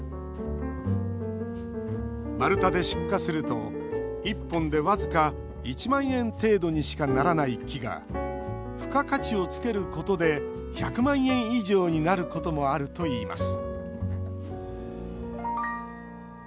丸太で出荷すると１本で僅か１万円程度にしかならない木が付加価値をつけることで１００万円以上になることもあるといいます